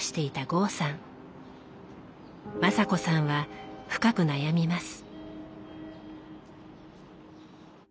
雅子さんは深く悩みます。